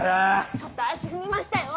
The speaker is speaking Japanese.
ちょっと足踏みましたよォ。